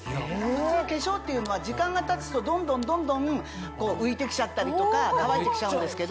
普通化粧っていうのは時間がたつとどんどんどんどん浮いてきちゃったりとか乾いてきちゃうんですけど。